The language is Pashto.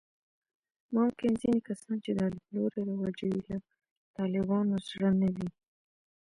ممکن ځینې کسان چې دا لیدلوري رواجوي، له طالبانو زړه نه وي